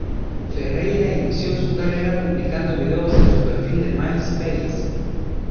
Ferreira inició su carrera publicando vídeos en su perfil de Myspace.